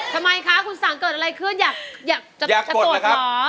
ทำไมคะคุณสั่งเกิดอะไรขึ้นอยากจะตรวจเหรอ